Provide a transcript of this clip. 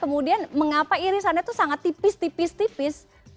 kemudian mengapa irisannya itu sangat tipis tipis tipis